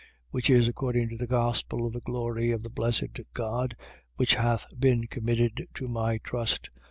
Which is according to the gospel of the glory of the blessed God which hath been committed to my trust.